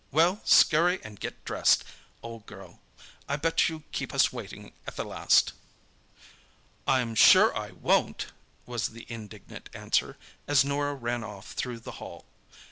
Well, scurry and get dressed, old girl. I bet you keep us waiting at the last." "I'm sure I won't," was the indignant answer, as Norah ran off through the hail.